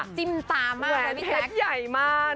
จิ้มตามากเลยพี่แจ๊กแหวนเพชรใหญ่มาก